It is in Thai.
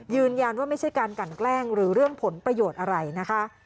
ไม่ใช่การกันแกล้งหรือเรื่องผลประโยชน์อะไรนะคะ